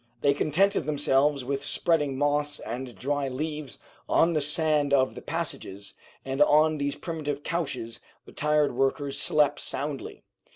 They contented themselves with spreading moss and dry leaves on the sand of the passages, and on these primitive couches the tired workers slept soundly.